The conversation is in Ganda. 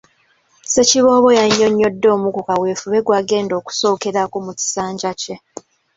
Ssekiboobo yannyonnyodde omu ku kaweefube gw’agenda okusookerako mu kisanja kye.